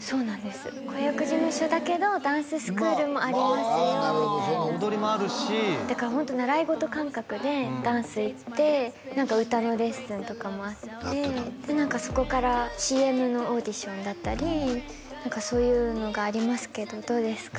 そうなんです子役事務所だけどダンススクールもありますよみたいな踊りもあるしだからホント習い事感覚でダンス行って何か歌のレッスンとかもあってで何かそこからＣＭのオーディションだったりそういうのがありますけどどうですか？